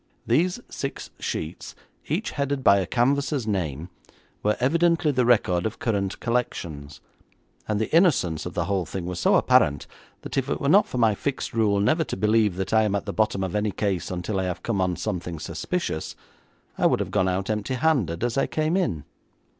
These six sheets, each headed by a canvasser's name, were evidently the record of current collections, and the innocence of the whole thing was so apparent that if it were not for my fixed rule never to believe that I am at the bottom of any case until I have come on something suspicious, I would have gone out empty handed as I came in.